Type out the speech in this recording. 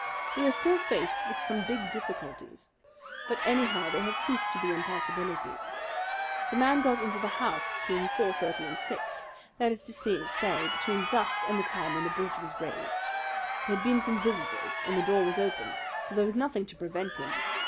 We are still faced with some big difficulties; but anyhow they have ceased to be impossibilities. The man got into the house between four thirty and six; that is to say, between dusk and the time when the bridge was raised. There had been some visitors, and the door was open; so there was nothing to prevent him.